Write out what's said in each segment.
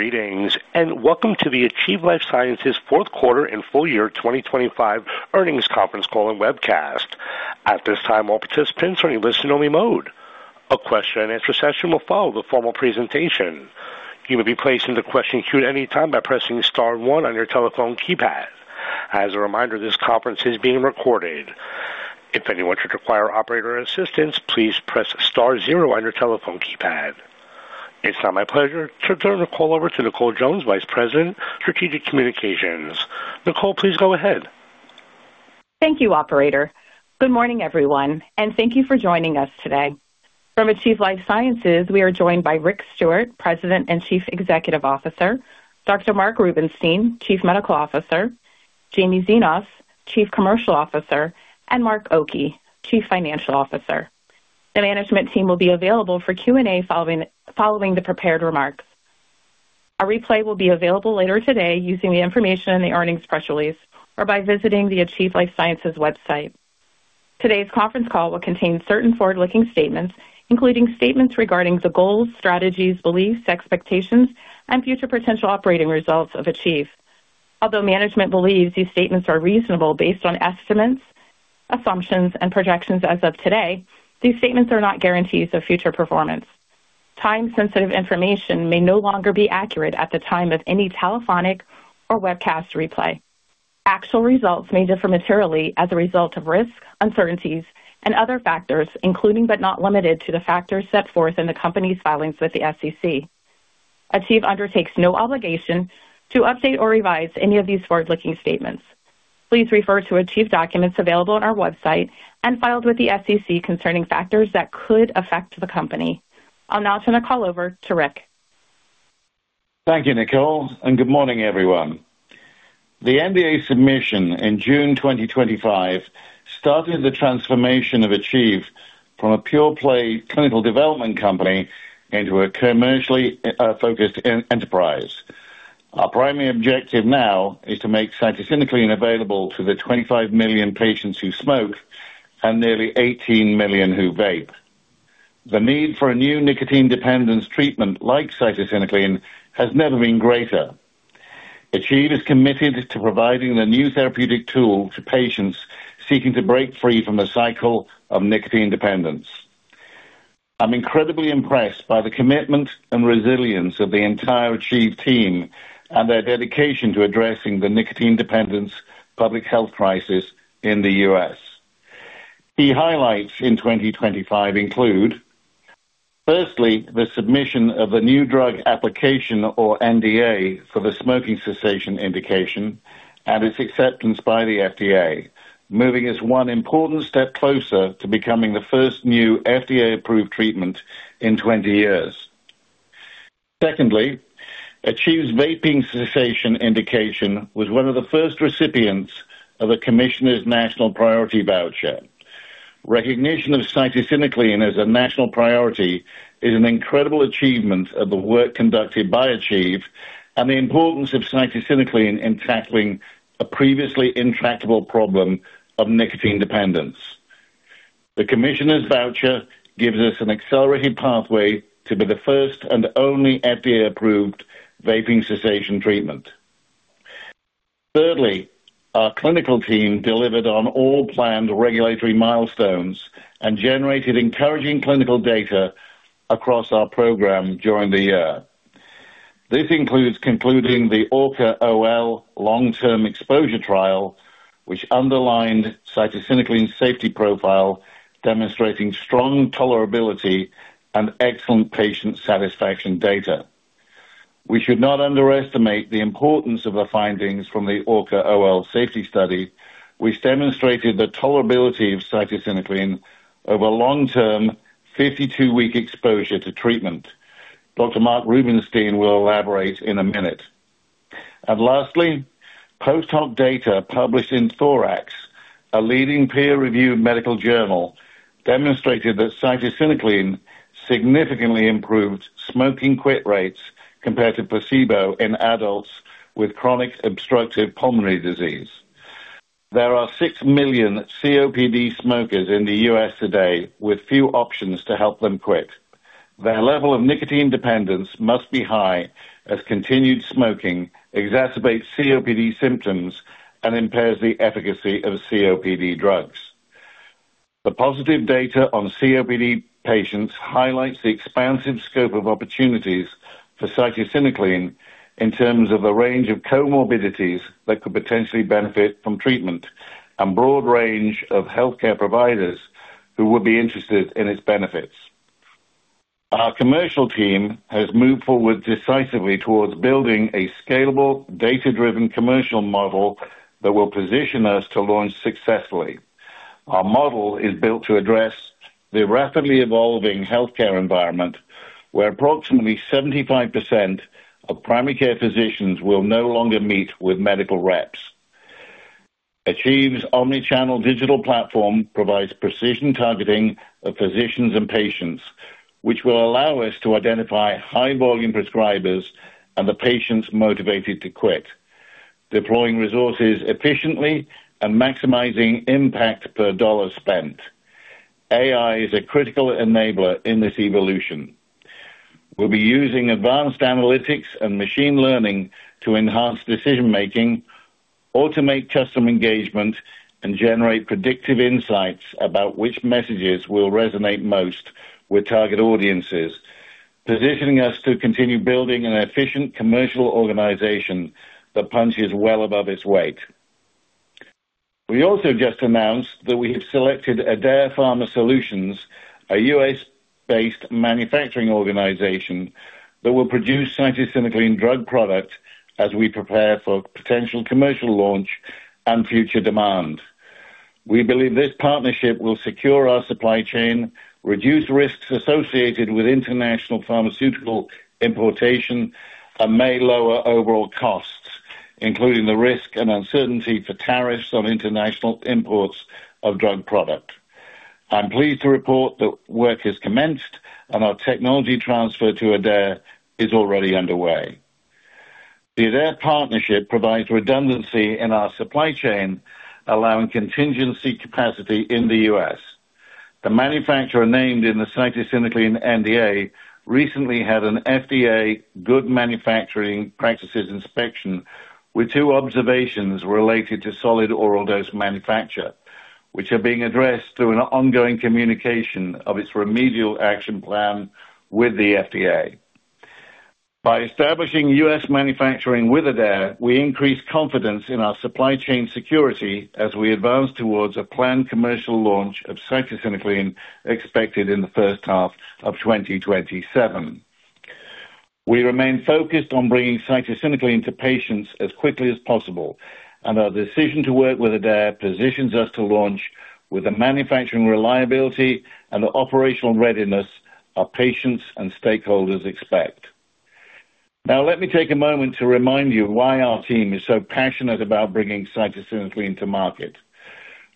Greetings, and welcome to the Achieve Life Sciences Fourth Quarter and Full Year 2025 Earnings Conference Call and Webcast. At this time, all participants are in listen-only mode. A question-and-answer session will follow the formal presentation. You will be placed into question queue at any time by pressing star one on your telephone keypad. As a reminder, this conference is being recorded. If anyone should require operator assistance, please press star zero on your telephone keypad. It's now my pleasure to turn the call over to Nicole Jones, Vice President, Strategic Communications. Nicole, please go ahead. Thank you, operator. Good morning, everyone, and thank you for joining us today. From Achieve Life Sciences, we are joined by Rick Stewart, President and Chief Executive Officer, Dr. Mark Rubinstein, Chief Medical Officer, Jaime Xinos, Chief Commercial Officer, and Mark Oki, Chief Financial Officer. The management team will be available for Q&A following the prepared remarks. A replay will be available later today using the information in the earnings press release or by visiting the Achieve Life Sciences website. Today's conference call will contain certain forward-looking statements, including statements regarding the goals, strategies, beliefs, expectations and future potential operating results of Achieve. Although management believes these statements are reasonable based on estimates, assumptions, and projections as of today, these statements are not guarantees of future performance. Time-sensitive information may no longer be accurate at the time of any telephonic or webcast replay. Actual results may differ materially as a result of risks, uncertainties, and other factors, including, but not limited to, the factors set forth in the company's filings with the SEC. Achieve undertakes no obligation to update or revise any of these forward-looking statements. Please refer to Achieve documents available on our website and filed with the SEC concerning factors that could affect the company. I'll now turn the call over to Rick. Thank you, Nicole, and good morning, everyone. The NDA submission in June 2025 started the transformation of Achieve from a pure play clinical development company into a commercially focused enterprise. Our primary objective now is to make cytisinicline available to the 25 million patients who smoke and nearly 18 million who vape. The need for a new nicotine dependence treatment like cytisinicline has never been greater. Achieve is committed to providing the new therapeutic tool to patients seeking to break free from the cycle of nicotine dependence. I'm incredibly impressed by the commitment and resilience of the entire Achieve team and their dedication to addressing the nicotine dependence public health crisis in the U.S. The highlights in 2025 include, firstly, the submission of a new drug application or NDA for the smoking cessation indication and its acceptance by the FDA, moving us one important step closer to becoming the first new FDA-approved treatment in 20 years. Secondly, Achieve's vaping cessation indication was one of the first recipients of a Commissioner's National Priority Voucher. Recognition of cytisinicline as a national priority is an incredible achievement of the work conducted by Achieve and the importance of cytisinicline in tackling a previously intractable problem of nicotine dependence. The Commissioner's voucher gives us an accelerated pathway to be the first and only FDA-approved vaping cessation treatment. Thirdly, our clinical team delivered on all planned regulatory milestones and generated encouraging clinical data across our program during the year. This includes concluding the ORCA-OL long-term exposure trial, which underlined cytisinicline safety profile, demonstrating strong tolerability and excellent patient satisfaction data. We should not underestimate the importance of the findings from the ORCA-OL safety study, which demonstrated the tolerability of cytisinicline over long-term 52-week exposure to treatment. Dr. Mark Rubinstein will elaborate in a minute. Lastly, post-hoc data published in Thorax, a leading peer-reviewed medical journal, demonstrated that cytisinicline significantly improved smoking quit rates compared to placebo in adults with chronic obstructive pulmonary disease. There are 6 million COPD smokers in the U.S. today with few options to help them quit. Their level of nicotine dependence must be high as continued smoking exacerbates COPD symptoms and impairs the efficacy of COPD drugs. The positive data on COPD patients highlights the expansive scope of opportunities for cytisinicline in terms of the range of comorbidities that could potentially benefit from treatment and broad range of healthcare providers who would be interested in its benefits. Our commercial team has moved forward decisively towards building a scalable, data-driven commercial model that will position us to launch successfully. Our model is built to address the rapidly evolving healthcare environment, where approximately 75% of primary care physicians will no longer meet with medical reps. Achieve's omni-channel digital platform provides precision targeting of physicians and patients, which will allow us to identify high volume prescribers and the patients motivated to quit, deploying resources efficiently and maximizing impact per dollar spent. AI is a critical enabler in this evolution. We'll be using advanced analytics and machine learning to enhance decision-making, automate customer engagement, and generate predictive insights about which messages will resonate most with target audiences, positioning us to continue building an efficient commercial organization that punches well above its weight. We also just announced that we have selected Adare Pharma Solutions, a U.S.-based manufacturing organization that will produce cytisinicline drug products as we prepare for potential commercial launch and future demand. We believe this partnership will secure our supply chain, reduce risks associated with international pharmaceutical importation, and may lower overall costs, including the risk and uncertainty for tariffs on international imports of drug products. I'm pleased to report that work has commenced and our technology transfer to Adare is already underway. The Adare partnership provides redundancy in our supply chain, allowing contingency capacity in the U.S. The manufacturer named in the cytisinicline NDA recently had an FDA good manufacturing practices inspection with two observations related to solid oral dose manufacture, which are being addressed through an ongoing communication of its remedial action plan with the FDA. By establishing U.S. manufacturing with Adare, we increase confidence in our supply chain security as we advance towards a planned commercial launch of cytisinicline expected in the first half of 2027. We remain focused on bringing cytisinicline to patients as quickly as possible, and our decision to work with Adare positions us to launch with the manufacturing reliability and the operational readiness our patients and stakeholders expect. Now, let me take a moment to remind you why our team is so passionate about bringing cytisinicline to market.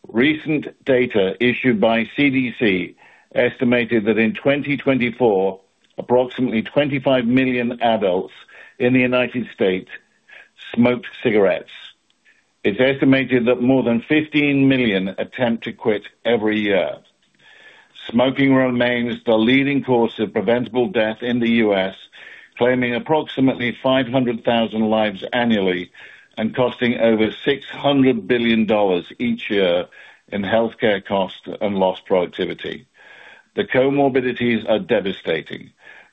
Recent data issued by CDC estimated that in 2024, approximately 25 million adults in the United States smoked cigarettes. It's estimated that more than 15 million attempt to quit every year. Smoking remains the leading cause of preventable death in the U.S., claiming approximately 500,000 lives annually and costing over $600 billion each year in healthcare costs and lost productivity. The comorbidities are devastating.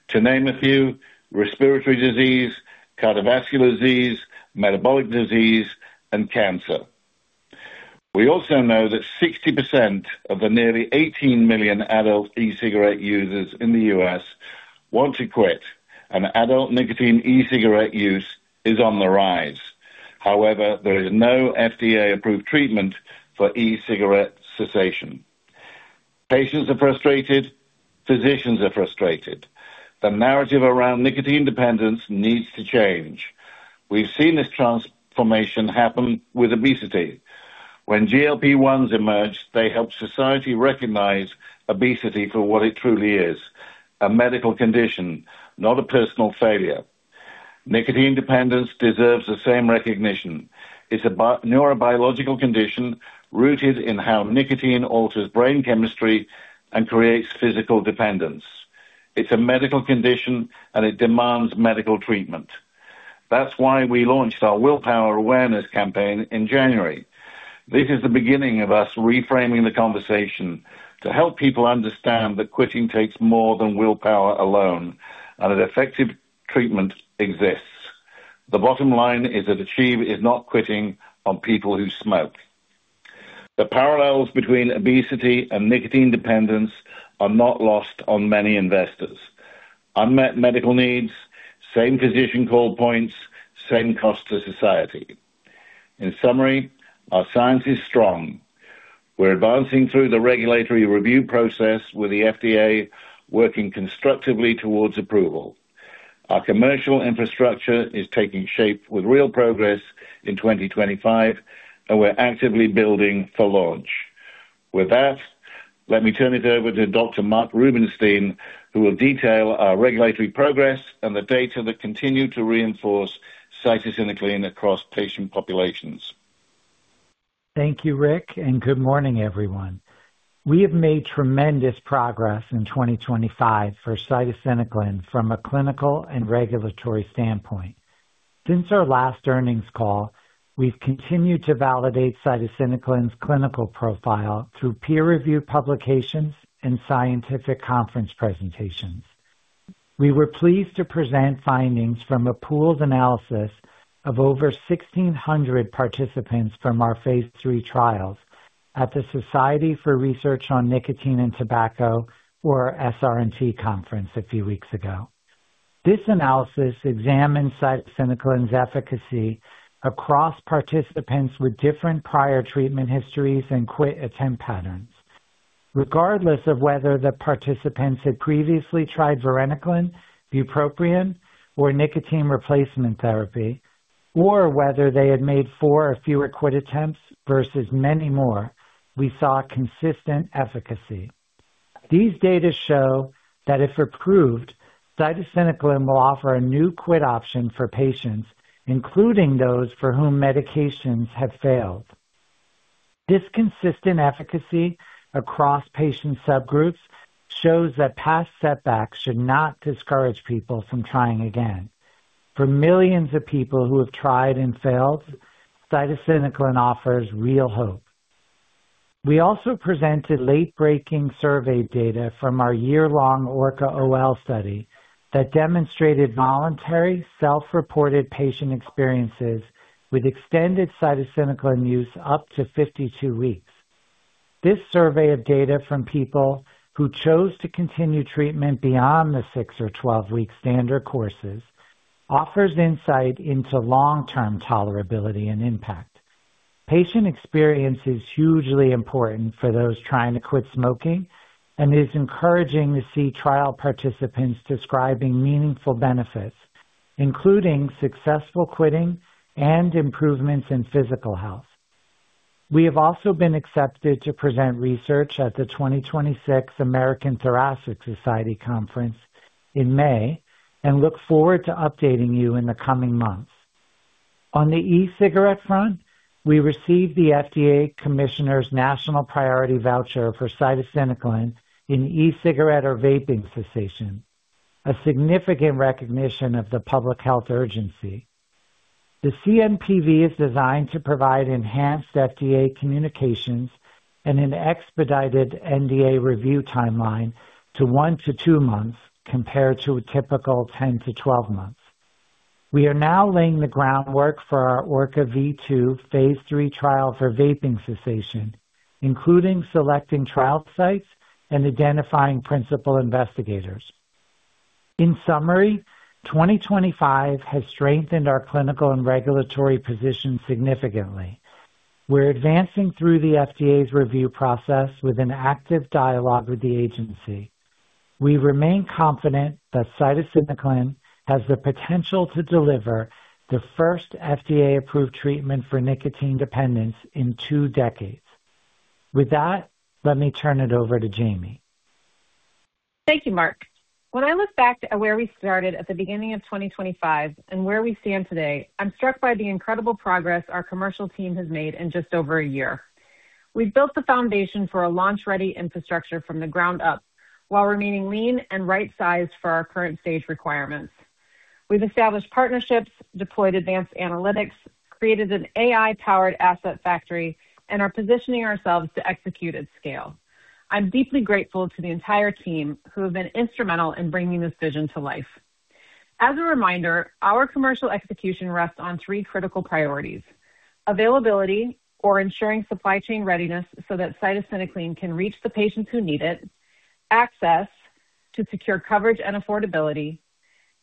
To name a few, respiratory disease, cardiovascular disease, metabolic disease, and cancer. We also know that 60% of the nearly 18 million adult e-cigarette users in the U.S. want to quit, and adult nicotine e-cigarette use is on the rise. However, there is no FDA-approved treatment for e-cigarette cessation. Patients are frustrated. Physicians are frustrated. The narrative around nicotine dependence needs to change. We've seen this transformation happen with obesity. When GLP-1s emerged, they helped society recognize obesity for what it truly is, a medical condition, not a personal failure. Nicotine dependence deserves the same recognition. It's a neurobiological condition rooted in how nicotine alters brain chemistry and creates physical dependence. It's a medical condition, and it demands medical treatment. That's why we launched our Willpower awareness campaign in January. This is the beginning of us reframing the conversation to help people understand that quitting takes more than willpower alone and that effective treatment exists. The bottom line is that Achieve is not quitting on people who smoke. The parallels between obesity and nicotine dependence are not lost on many investors. Unmet medical needs, same physician call points, same cost to society. In summary, our science is strong. We're advancing through the regulatory review process with the FDA working constructively towards approval. Our commercial infrastructure is taking shape with real progress in 2025, and we're actively building for launch. With that, let me turn it over to Dr. Mark Rubinstein, who will detail our regulatory progress and the data that continue to reinforce cytisinicline across patient populations. Thank you, Rick, and good morning, everyone. We have made tremendous progress in 2025 for cytisinicline from a clinical and regulatory standpoint. Since our last earnings call, we've continued to validate cytisinicline's clinical profile through peer-reviewed publications and scientific conference presentations. We were pleased to present findings from a pooled analysis of over 1,600 participants from our phase III trials at the Society for Research on Nicotine and Tobacco, or SRNT, conference a few weeks ago. This analysis examined cytisinicline's efficacy across participants with different prior treatment histories and quit attempt patterns. Regardless of whether the participants had previously tried varenicline, bupropion, or nicotine replacement therapy, or whether they had made four or fewer quit attempts versus many more, we saw consistent efficacy. These data show that if approved, cytisinicline will offer a new quit option for patients, including those for whom medications have failed. This consistent efficacy across patient subgroups shows that past setbacks should not discourage people from trying again. For millions of people who have tried and failed, cytisinicline offers real hope. We also presented late-breaking survey data from our year-long ORCA-OL study that demonstrated voluntary self-reported patient experiences with extended cytisinicline use up to 52 weeks. This survey of data from people who chose to continue treatment beyond the six or 12-week standard courses offers insight into long-term tolerability and impact. Patient experience is hugely important for those trying to quit smoking and is encouraging to see trial participants describing meaningful benefits, including successful quitting and improvements in physical health. We have also been accepted to present research at the 2026 American Thoracic Society Conference in May and look forward to updating you in the coming months. On the e-cigarette front, we received the FDA Commissioner's National Priority Voucher for cytisinicline in e-cigarette or vaping cessation, a significant recognition of the public health urgency. The CMPV is designed to provide enhanced FDA communications and an expedited NDA review timeline to 1-2 months compared to a typical 10-12 months. We are now laying the groundwork for our ORCA-V2 phase III trial for vaping cessation, including selecting trial sites and identifying principal investigators. In summary, 2025 has strengthened our clinical and regulatory position significantly. We're advancing through the FDA's review process with an active dialogue with the agency. We remain confident that cytisinicline has the potential to deliver the first FDA-approved treatment for nicotine dependence in two decades. With that, let me turn it over to Jaime. Thank you, Mark. When I look back at where we started at the beginning of 2025 and where we stand today, I'm struck by the incredible progress our commercial team has made in just over a year. We've built the foundation for a launch-ready infrastructure from the ground up while remaining lean and right-sized for our current stage requirements. We've established partnerships, deployed advanced analytics, created an AI-powered asset factory, and are positioning ourselves to execute at scale. I'm deeply grateful to the entire team who have been instrumental in bringing this vision to life. As a reminder, our commercial execution rests on three critical priorities, availability or ensuring supply chain readiness so that cytisinicline can reach the patients who need it, access to secure coverage and affordability,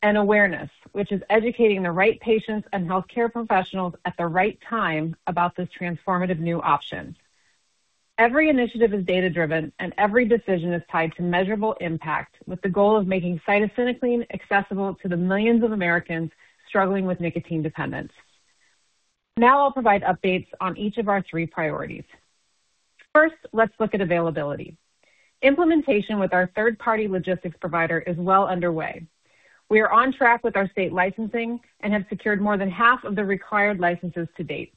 and awareness, which is educating the right patients and healthcare professionals at the right time about this transformative new option. Every initiative is data-driven, and every decision is tied to measurable impact, with the goal of making cytisinicline accessible to the millions of Americans struggling with nicotine dependence. Now I'll provide updates on each of our three priorities. First, let's look at availability. Implementation with our third-party logistics provider is well underway. We are on track with our state licensing and have secured more than half of the required licenses to date.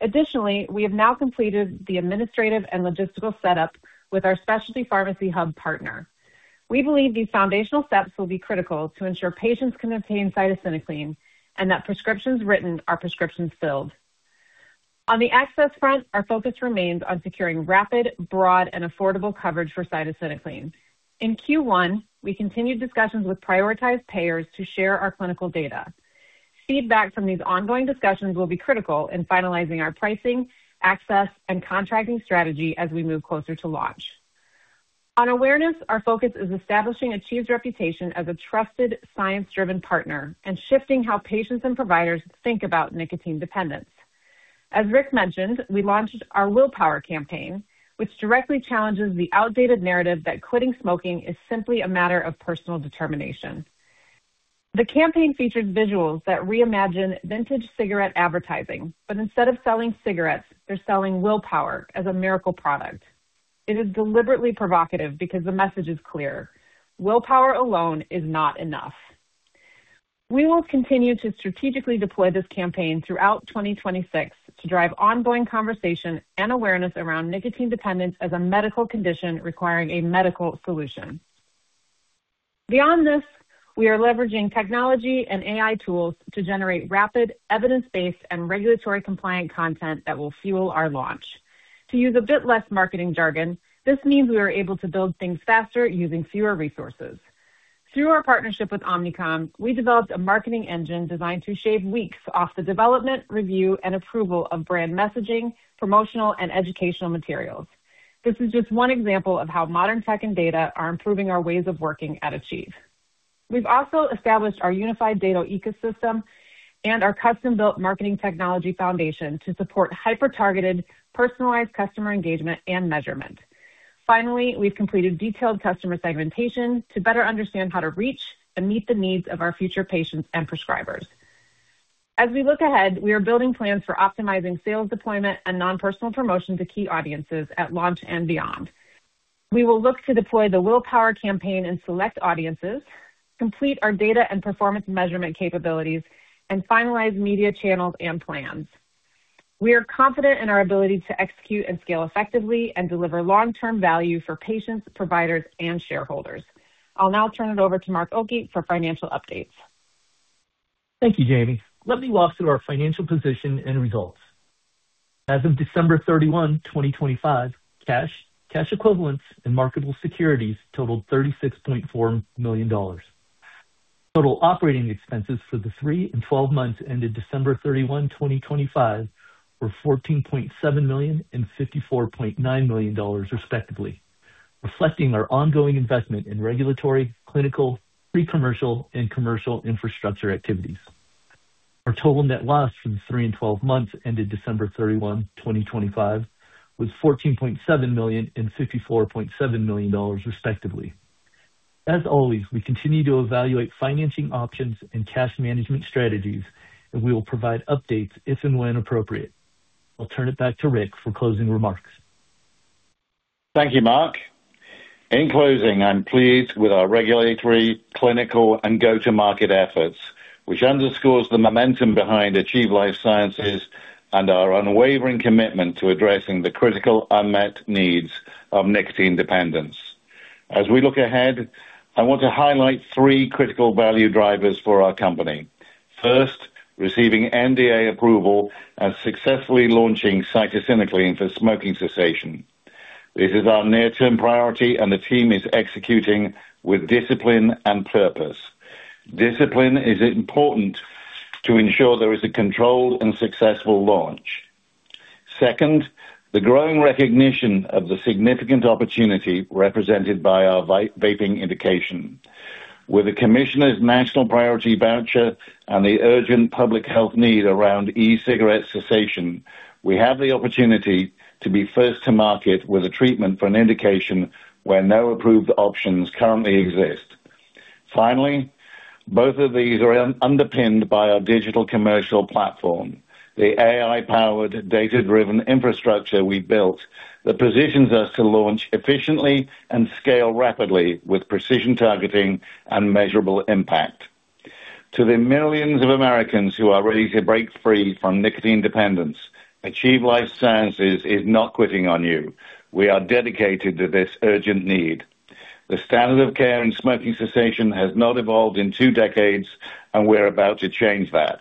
Additionally, we have now completed the administrative and logistical setup with our specialty pharmacy hub partner. We believe these foundational steps will be critical to ensure patients can obtain cytisinicline and that prescriptions written are prescriptions filled. On the access front, our focus remains on securing rapid, broad, and affordable coverage for cytisinicline. In Q1, we continued discussions with prioritized payers to share our clinical data. Feedback from these ongoing discussions will be critical in finalizing our pricing, access, and contracting strategy as we move closer to launch. On awareness, our focus is establishing Achieve's reputation as a trusted, science-driven partner and shifting how patients and providers think about nicotine dependence. As Rick mentioned, we launched our Willpower campaign, which directly challenges the outdated narrative that quitting smoking is simply a matter of personal determination. The campaign features visuals that reimagine vintage cigarette advertising, but instead of selling cigarettes, they're selling willpower as a miracle product. It is deliberately provocative because the message is clear: willpower alone is not enough. We will continue to strategically deploy this campaign throughout 2026 to drive ongoing conversation and awareness around nicotine dependence as a medical condition requiring a medical solution. Beyond this, we are leveraging technology and AI tools to generate rapid, evidence-based and regulatory compliant content that will fuel our launch. To use a bit less marketing jargon, this means we are able to build things faster using fewer resources. Through our partnership with Omnicom, we developed a marketing engine designed to shave weeks off the development, review, and approval of brand messaging, promotional, and educational materials. This is just one example of how modern tech and data are improving our ways of working at Achieve. We've also established our unified data ecosystem and our custom-built marketing technology foundation to support hyper-targeted, personalized customer engagement and measurement. Finally, we've completed detailed customer segmentation to better understand how to reach and meet the needs of our future patients and prescribers. As we look ahead, we are building plans for optimizing sales deployment and non-personal promotion to key audiences at launch and beyond. We will look to deploy the Willpower campaign in select audiences, complete our data and performance measurement capabilities, and finalize media channels and plans. We are confident in our ability to execute and scale effectively and deliver long-term value for patients, providers and shareholders. I'll now turn it over to Mark Oki for financial updates. Thank you, Jaime. Let me walk through our financial position and results. As of December 31, 2025, cash equivalents and marketable securities totaled $36.4 million. Total operating expenses for the three and 12 months ended December 31, 2025 were $14.7 million and $54.9 million, respectively, reflecting our ongoing investment in regulatory, clinical, pre-commercial and commercial infrastructure activities. Our total net loss for the three and 12 months ended December 31, 2025 was $14.7 million and $54.7 million, respectively. As always, we continue to evaluate financing options and cash management strategies, and we will provide updates if and when appropriate. I'll turn it back to Rick for closing remarks. Thank you, Mark. In closing, I'm pleased with our regulatory, clinical and go-to-market efforts, which underscores the momentum behind Achieve Life Sciences and our unwavering commitment to addressing the critical unmet needs of nicotine dependence. As we look ahead, I want to highlight three critical value drivers for our company. First, receiving NDA approval and successfully launching cytisinicline for smoking cessation. This is our near-term priority, and the team is executing with discipline and purpose. Discipline is important to ensure there is a controlled and successful launch. Second, the growing recognition of the significant opportunity represented by our vaping indication. With the Commissioner's National Priority Voucher and the urgent public health need around e-cigarette cessation, we have the opportunity to be first to market with a treatment for an indication where no approved options currently exist. Finally, both of these are underpinned by our digital commercial platform, the AI-powered, data-driven infrastructure we built that positions us to launch efficiently and scale rapidly with precision targeting and measurable impact. To the millions of Americans who are ready to break free from nicotine dependence, Achieve Life Sciences is not quitting on you. We are dedicated to this urgent need. The standard of care in smoking cessation has not evolved in two decades, and we're about to change that.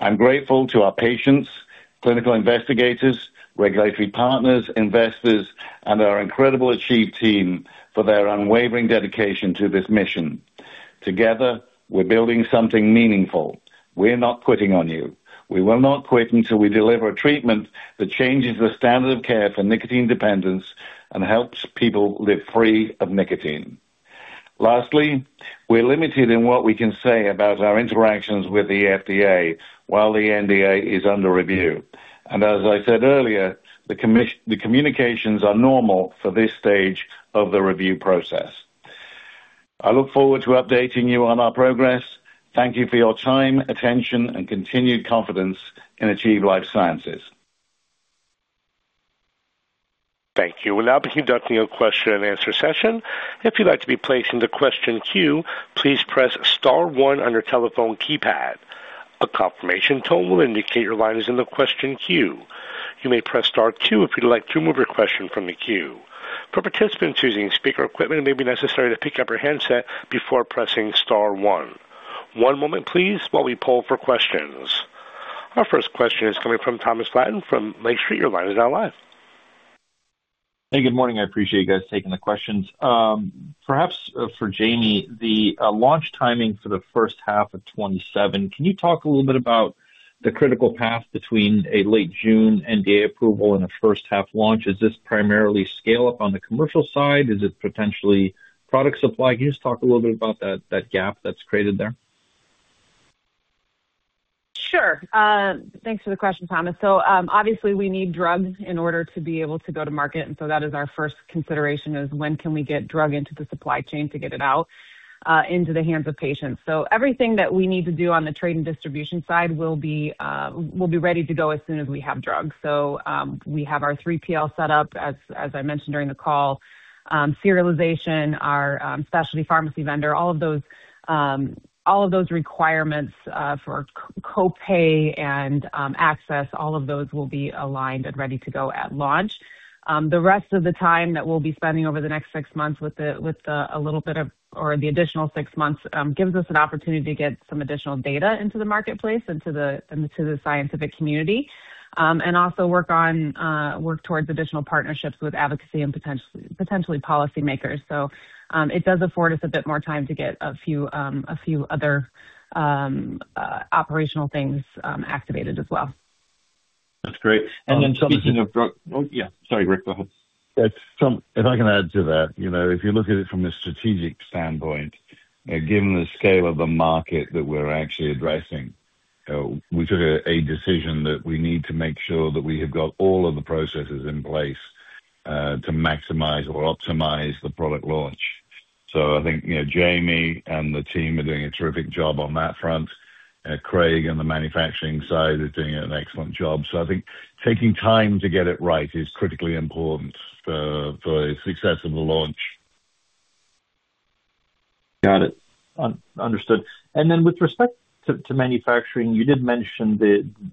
I'm grateful to our patients, clinical investigators, regulatory partners, investors, and our incredible Achieve team for their unwavering dedication to this mission. Together, we're building something meaningful. We're not quitting on you. We will not quit until we deliver a treatment that changes the standard of care for nicotine dependence and helps people live free of nicotine. Lastly, we're limited in what we can say about our interactions with the FDA while the NDA is under review. As I said earlier, the communications are normal for this stage of the review process. I look forward to updating you on our progress. Thank you for your time, attention, and continued confidence in Achieve Life Sciences. Thank you. We'll now be conducting a question-and-answer session. If you'd like to be placed in the question queue, please press star one on your telephone keypad. A confirmation tone will indicate your line is in the question queue. You may press star two if you'd like to move your question from the queue. For participants using speaker equipment, it may be necessary to pick up your handset before pressing star one. One moment please while we poll for questions. Our first question is coming from Thomas Flaten from Lake Street. Your line is now live. Hey, good morning. I appreciate you guys taking the questions. Perhaps for Jaime, the launch timing for the first half of 2027. Can you talk a little bit about the critical path between a late June NDA approval and a first half launch? Is this primarily scale up on the commercial side? Is it potentially product supply? Can you just talk a little bit about that gap that's created there? Sure. Thanks for the question, Thomas. Obviously we need drugs in order to be able to go to market. That is our first consideration, is when can we get drug into the supply chain to get it out into the hands of patients. Everything that we need to do on the trade and distribution side will be ready to go as soon as we have drugs. We have our 3PL set up as I mentioned during the call, serialization, our specialty pharmacy vendor, all of those requirements for co-pay and access. All of those will be aligned and ready to go at launch. The rest of the time that we'll be spending over the next six months with the additional six months gives us an opportunity to get some additional data into the marketplace and to the scientific community, and also work towards additional partnerships with advocacy and potentially policymakers. It does afford us a bit more time to get a few other operational things activated as well. That's great. Speaking of drug. Oh, yeah, sorry, Rick, go ahead. If I can add to that. You know, if you look at it from a strategic standpoint, given the scale of the market that we're actually addressing, we took a decision that we need to make sure that we have got all of the processes in place to maximize or optimize the product launch. I think, you know, Jaime and the team are doing a terrific job on that front. Craig and the manufacturing side are doing an excellent job. I think taking time to get it right is critically important for the success of the launch. Got it. Understood. With respect to manufacturing, you did mention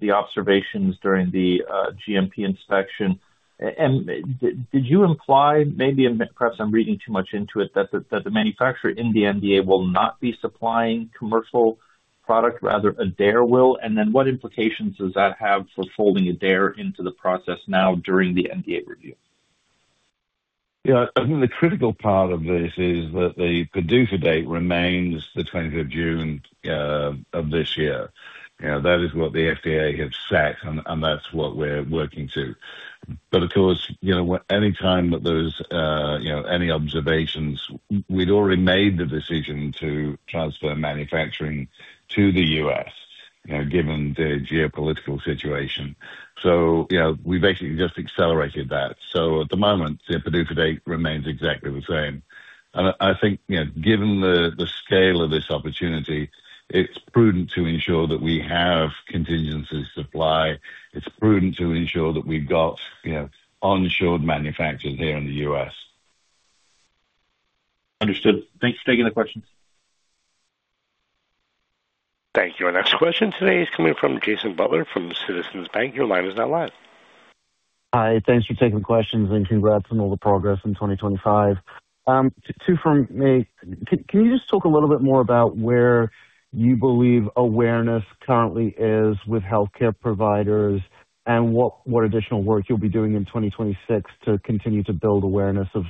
the observations during the GMP inspection. Did you imply maybe, and perhaps I'm reading too much into it, that the manufacturer in the NDA will not be supplying commercial product, rather Adare will? What implications does that have for folding Adare into the process now during the NDA review? Yeah, I think the critical part of this is that the PDUFA date remains the 20th June of this year. You know, that is what the FDA have set, and that's what we're working to. Of course, you know, anytime that there's you know, any observations, we'd already made the decision to transfer manufacturing to the U.S., you know, given the geopolitical situation. You know, we basically just accelerated that. At the moment, the PDUFA date remains exactly the same. I think, you know, given the scale of this opportunity, it's prudent to ensure that we have contingency supply. It's prudent to ensure that we've got, you know, onshored manufacturers here in the U.S. Understood. Thanks for taking the question. Thank you. Our next question today is coming from Jason Butler from Citizens JMP. Your line is now live. Hi, thanks for taking questions, and congrats on all the progress in 2025. Two from me. Can you just talk a little bit more about where you believe awareness currently is with healthcare providers and what additional work you'll be doing in 2026 to continue to build awareness of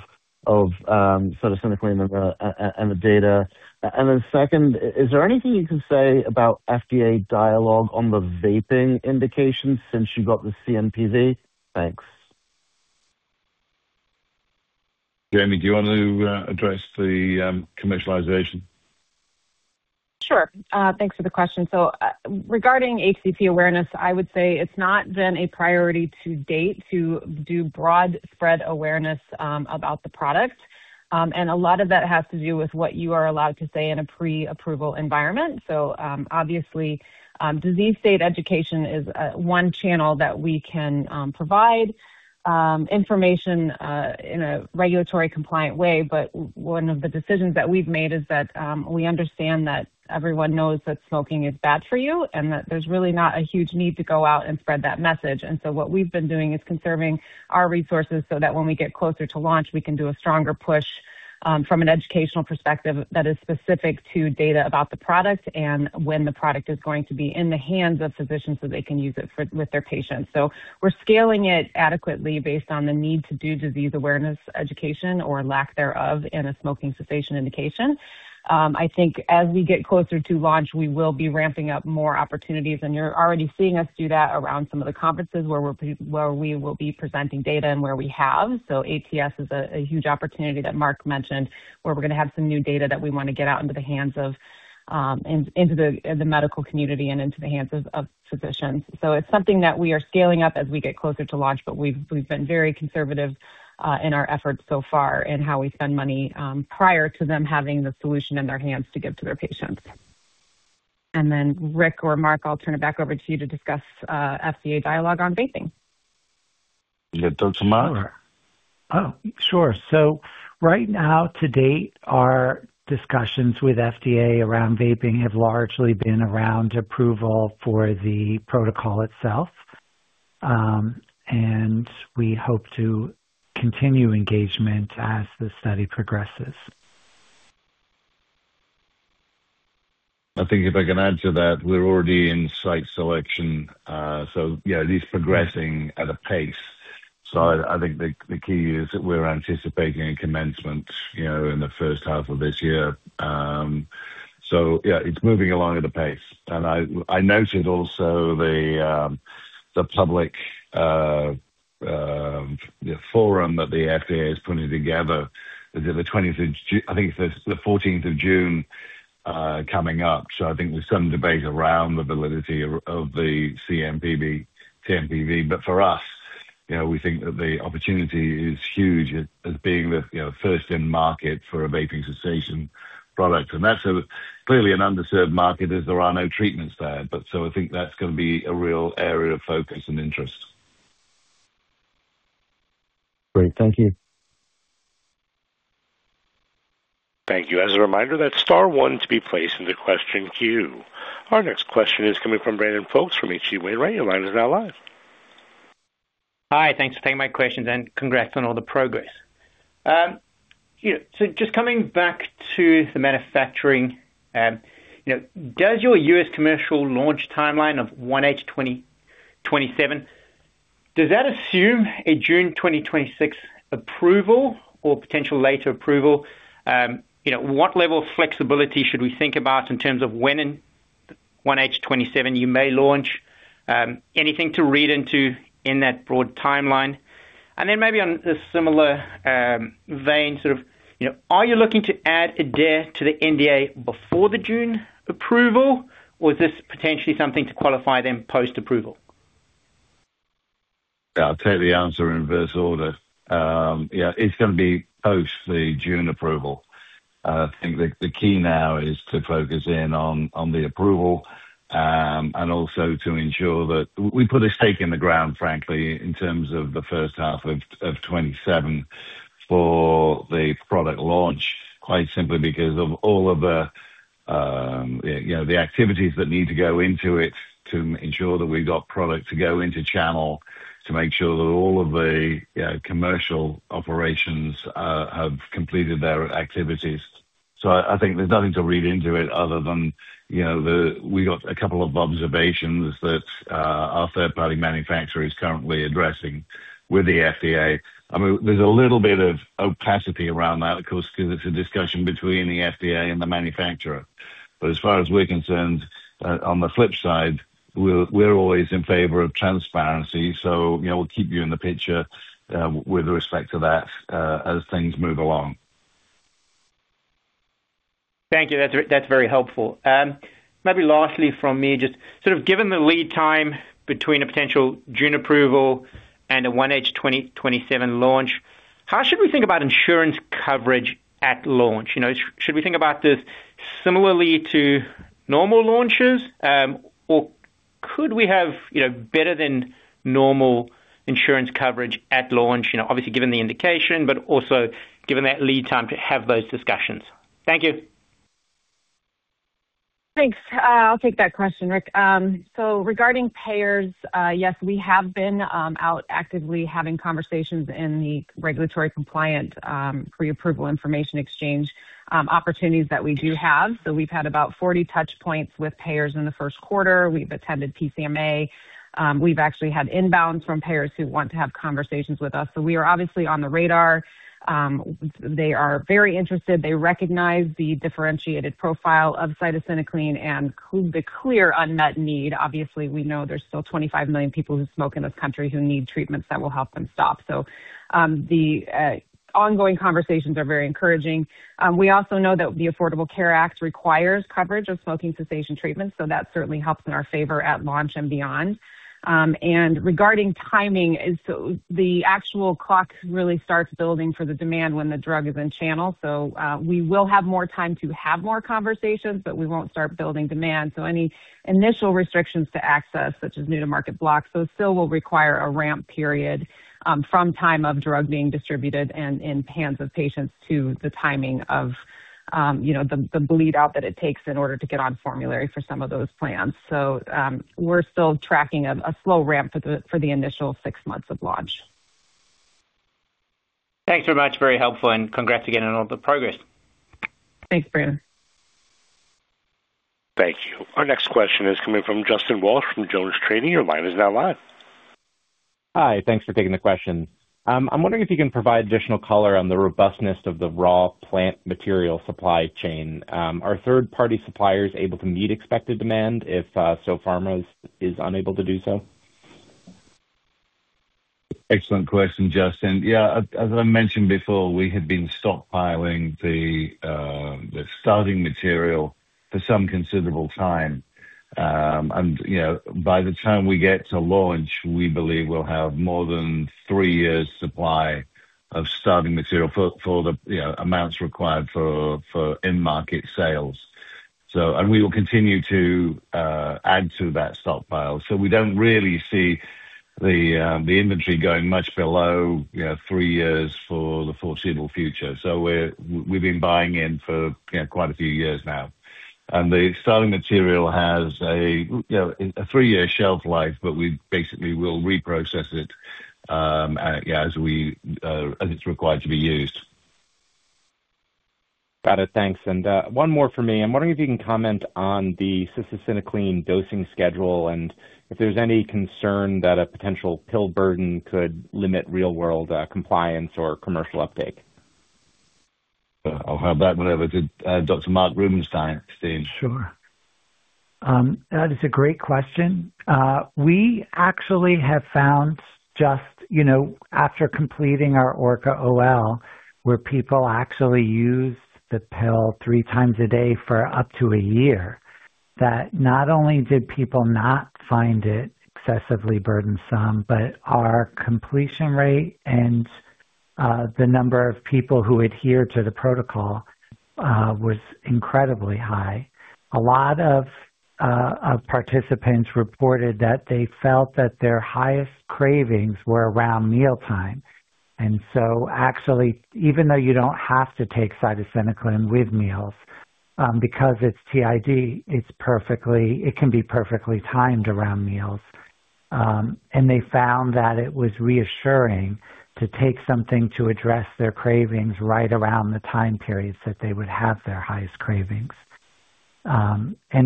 cytisinicline and the data? Second, is there anything you can say about FDA dialogue on the vaping indication since you got the CMPV? Thanks. Jamie, do you want to address the commercialization? Sure. Thanks for the question. Regarding HCP awareness, I would say it's not been a priority to date to do broad spread awareness about the product. A lot of that has to do with what you are allowed to say in a pre-approval environment. Obviously, disease state education is one channel that we can provide information in a regulatory compliant way. One of the decisions that we've made is that we understand that everyone knows that smoking is bad for you and that there's really not a huge need to go out and spread that message. What we've been doing is conserving our resources so that when we get closer to launch, we can do a stronger push, from an educational perspective that is specific to data about the product and when the product is going to be in the hands of physicians so they can use it for, with their patients. We're scaling it adequately based on the need to do disease awareness education or lack thereof in a smoking cessation indication. I think as we get closer to launch, we will be ramping up more opportunities, and you're already seeing us do that around some of the conferences where we will be presenting data and where we have. ATS is a huge opportunity that Mark mentioned, where we're gonna have some new data that we wanna get out into the hands of the medical community and into the hands of physicians. It's something that we are scaling up as we get closer to launch, but we've been very conservative in our efforts so far in how we spend money prior to them having the solution in their hands to give to their patients. Rick or Mark, I'll turn it back over to you to discuss FDA dialogue on vaping. You gonna talk to Mark? Sure. Oh, sure. Right now, to date, our discussions with FDA around vaping have largely been around approval for the protocol itself. We hope to continue engagement as the study progresses. I think if I can add to that, we're already in site selection. Yeah, it is progressing at a pace. I think the key is that we're anticipating a commencement, you know, in the first half of this year. Yeah, it's moving along at a pace. I noted also the public forum that the FDA is putting together. I think it's the 14th June, coming up. I think there's some debate around the validity of the CMPV. But for us, you know, we think that the opportunity is huge as being the first in market for a vaping cessation product. That's clearly an underserved market as there are no treatments there. I think that's gonna be a real area of focus and interest. Great. Thank you. Thank you. As a reminder, that's star one to be placed in the question queue. Our next question is coming from Brandon Folkes from H.C. Wainwright. Your line is now live. Hi, thanks for taking my questions, and congrats on all the progress. You know, so just coming back to the manufacturing, you know, does your U.S. commercial launch timeline of 1H 2027, does that assume a June 2026 approval or potential later approval? You know, what level of flexibility should we think about in terms of when in 1H 2027 you may launch? Anything to read into in that broad timeline? Then maybe on a similar vein, sort of, you know, are you looking to add Adare to the NDA before the June approval, or is this potentially something to qualify then post-approval? Yeah, I'll tell you the answer in reverse order. Yeah, it's gonna be post the June approval. I think the key now is to focus in on the approval, and also to ensure that we put a stake in the ground, frankly, in terms of the first half of 2027 for the product launch, quite simply because of all of the, you know, the activities that need to go into it to ensure that we've got product to go into channel, to make sure that all of the, you know, commercial operations have completed their activities. I think there's nothing to read into it other than, you know, the, we got a couple of observations that our third-party manufacturer is currently addressing with the FDA. I mean, there's a little bit of opacity around that, of course, because it's a discussion between the FDA and the manufacturer. As far as we're concerned, on the flip side, we're always in favor of transparency. You know, we'll keep you in the picture with respect to that as things move along. Thank you. That's very helpful. Maybe lastly from me, just sort of given the lead time between a potential June approval and a 1H 2027 launch, how should we think about insurance coverage at launch? You know, should we think about this similarly to normal launches, or could we have, you know, better than normal insurance coverage at launch? You know, obviously given the indication, but also given that lead time to have those discussions. Thank you. Thanks. I'll take that question, Rick. Regarding payers, yes, we have been out actively having conversations in the regulatory compliance pre-approval information exchange opportunities that we do have. We've had about 40 touch points with payers in the first quarter. We've attended PCMA. We've actually had inbounds from payers who want to have conversations with us. We are obviously on the radar. They are very interested. They recognize the differentiated profile of cytisinicline and the clear unmet need. Obviously, we know there's still 25 million people who smoke in this country who need treatments that will help them stop. The ongoing conversations are very encouraging. We also know that the Affordable Care Act requires coverage of smoking cessation treatment, so that certainly helps in our favor at launch and beyond. Regarding timing, the actual clock really starts building for the demand when the drug is in channel. We will have more time to have more conversations, but we won't start building demand. Any initial restrictions to access, such as new-to-market blocks, so it still will require a ramp period, from time of drug being distributed and in hands of patients to the timing of, you know, the bleed out that it takes in order to get on formulary for some of those plans. We're still tracking a slow ramp for the initial six months of launch. Thanks very much. Very helpful, and congrats again on all the progress. Thanks, Brandon. Thank you. Our next question is coming from Justin Walsh from JonesTrading. Your line is now live. Hi. Thanks for taking the question. I'm wondering if you can provide additional color on the robustness of the raw plant material supply chain. Are third-party suppliers able to meet expected demand if Sopharma is unable to do so? Excellent question, Justin. Yeah, as I mentioned before, we have been stockpiling the starting material for some considerable time. You know, by the time we get to launch, we believe we'll have more than three years supply of starting material for the amounts required for end market sales. We will continue to add to that stockpile. We don't really see the inventory going much below, you know, three years for the foreseeable future. We've been buying in for, you know, quite a few years now. The starting material has a, you know, a three-year shelf life, but we basically will reprocess it, yeah, as it's required to be used. Got it. Thanks. One more for me. I'm wondering if you can comment on the cytisinicline dosing schedule and if there's any concern that a potential pill burden could limit real-world compliance or commercial uptake. I'll hand that one over to Dr. Mark Rubinstein. Mark? Sure. That is a great question. We actually have found just, you know, after completing our ORCA-OL, where people actually used the pill three times a day for up to a year, that not only did people not find it excessively burdensome, but our completion rate and the number of people who adhere to the protocol was incredibly high. A lot of participants reported that they felt that their highest cravings were around mealtime. Actually, even though you don't have to take cytisinicline with meals, because it's TID, it's perfectly, it can be perfectly timed around meals. They found that it was reassuring to take something to address their cravings right around the time periods that they would have their highest cravings.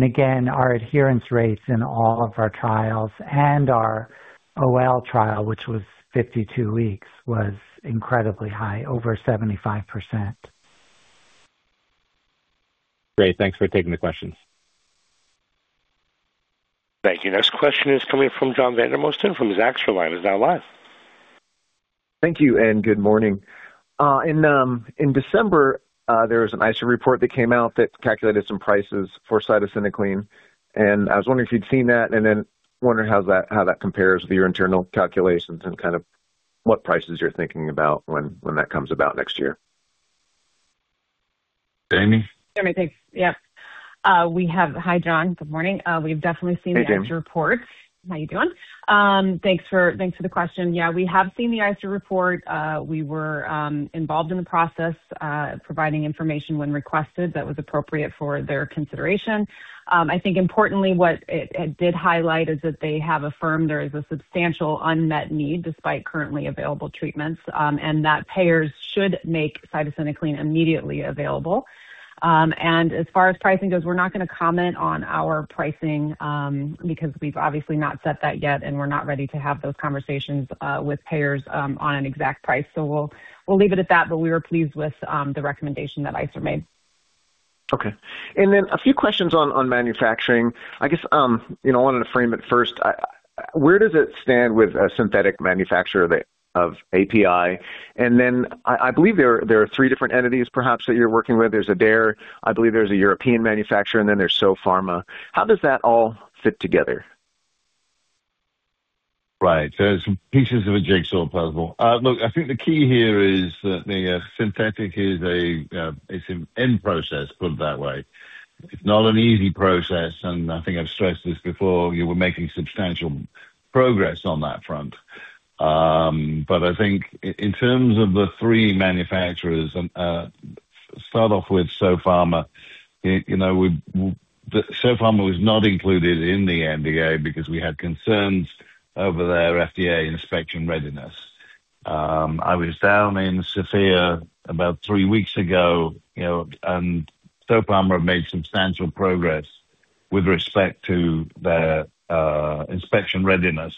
Again, our adherence rates in all of our trials and our OL trial, which was 52 weeks, was incredibly high, over 75%. Great. Thanks for taking the questions. Thank you. Next question is coming from John Vandermosten from Zacks. Your line is now live. Thank you, and good morning. In December, there was an ICER report that came out that calculated some prices for cytisinicline, and I was wondering if you'd seen that, and then wondering how that compares with your internal calculations and kind of what prices you're thinking about when that comes about next year. Jaime? Rick, thanks. Yep. Hi, John. Good morning. We've definitely seen. Hey, Jaime. The ICER reports. How you doing? Thanks for the question. Yeah, we have seen the ICER report. We were involved in the process, providing information when requested that was appropriate for their consideration. I think importantly, what it did highlight is that they have affirmed there is a substantial unmet need despite currently available treatments, and that payers should make cytisinicline immediately available. As far as pricing goes, we're not gonna comment on our pricing, because we've obviously not set that yet, and we're not ready to have those conversations with payers on an exact price. We'll leave it at that. We were pleased with the recommendation that ICER made. Okay. Then a few questions on manufacturing. I guess, you know, I wanted to frame it first. Where does it stand with a synthetic manufacturer that of API? Then I believe there are three different entities perhaps that you're working with. There's Adare, I believe there's a European manufacturer, and then there's Sopharma AD. How does that all fit together? Right. Some pieces of a jigsaw puzzle. Look, I think the key here is that the synthetic is a, it's an end process, put it that way. It's not an easy process, and I think I've stressed this before, you were making substantial progress on that front. I think in terms of the three manufacturers, start off with Sopharma AD. You know, Sopharma AD was not included in the NDA because we had concerns over their FDA inspection readiness. I was down in Sofia about three weeks ago, you know, and Sopharma AD made substantial progress with respect to their inspection readiness.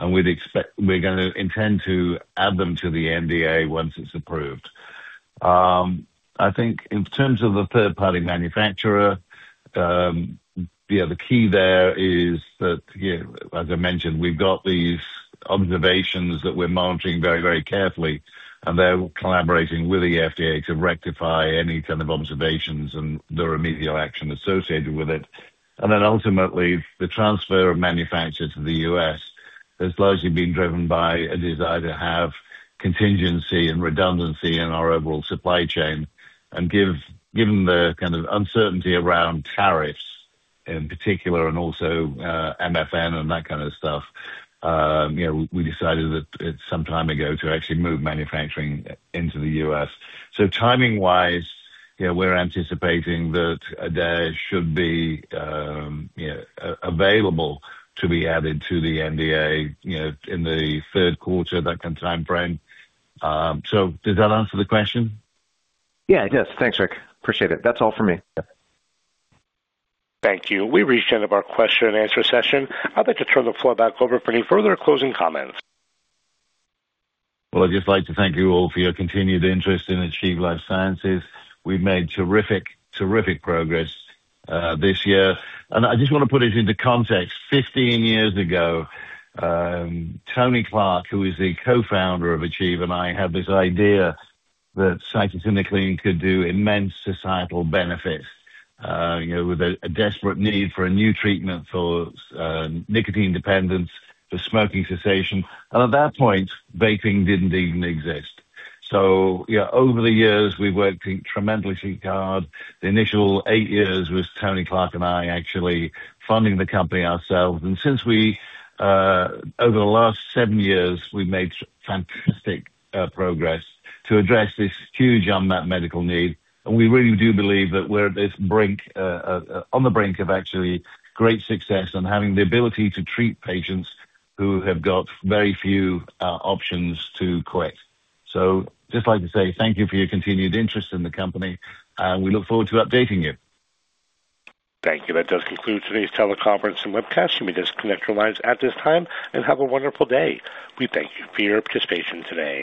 We're gonna intend to add them to the NDA once it's approved. I think in terms of the third-party manufacturer, yeah, the key there is that, you know, as I mentioned, we've got these observations that we're monitoring very, very carefully and they're collaborating with the FDA to rectify any kind of observations and the remedial action associated with it. Ultimately the transfer of manufacture to the U.S. has largely been driven by a desire to have contingency and redundancy in our overall supply chain. Given the kind of uncertainty around tariffs in particular, and also, MFN and that kind of stuff, you know, we decided that some time ago to actually move manufacturing into the U.S. Timing-wise, you know, we're anticipating that Adare should be, you know, available to be added to the NDA, you know, in the third quarter, that kind of timeframe. Does that answer the question? Yeah. It does. Thanks, Rick. Appreciate it. That's all for me. Yep. Thank you. We've reached the end of our question and answer session. I'd like to turn the floor back over for any further closing comments. Well, I'd just like to thank you all for your continued interest in Achieve Life Sciences. We've made terrific progress this year. I just want to put it into context. 15 years ago, Tony Clark, who is the Co-Founder of Achieve, and I had this idea that cytisinicline could do immense societal benefits, you know, with a desperate need for a new treatment for nicotine dependence, for smoking cessation. At that point, vaping didn't even exist. You know, over the years, we've worked tremendously hard. The initial eight years was Tony Clark and I actually funding the company ourselves. Since we over the last seven years, we've made fantastic progress to address this huge unmet medical need. We really do believe that we're at this brink, on the brink of actually great success and having the ability to treat patients who have got very few options to quit. I just like to say thank you for your continued interest in the company, and we look forward to updating you. Thank you. That does conclude today's teleconference and webcast. You may disconnect your lines at this time and have a wonderful day. We thank you for your participation today.